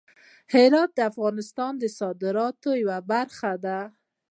هرات د افغانستان د صادراتو یوه برخه ده.